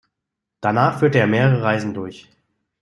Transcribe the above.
Danach führte er mehrere Reisen durch.